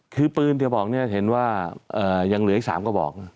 คือปืนที่บอกเนี่ยเห็นว่ายังเหลืออีก๓กระบอก